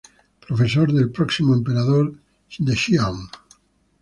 Profesor del próximo emperador de Xi'An.